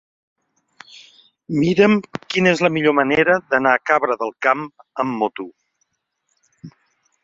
Mira'm quina és la millor manera d'anar a Cabra del Camp amb moto.